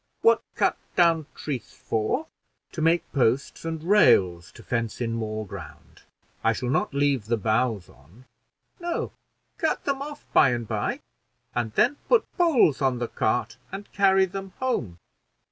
"What cut down trees for?" "To make posts and rails to fence in more ground. I shall not leave the boughs on." "No cut them off by and by, and then put poles on the cart and carry them home."